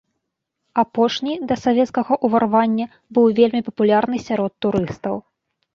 Апошні да савецкага ўварвання быў вельмі папулярны сярод турыстаў.